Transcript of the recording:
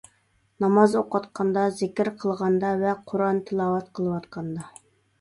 ناماز ئوقۇۋاتقاندا، زىكىر قىلغاندا ۋە قۇرئان تىلاۋەت قىلىۋاتقاندا.